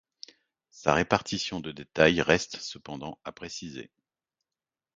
Sa répartition de détail reste cependant à préciser.